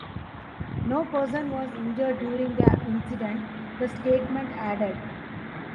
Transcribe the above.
No person was injured during the incident, the statement added.